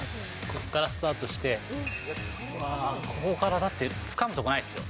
ここからスタートして、うわー、ここからだって、つかむ所ないですよ。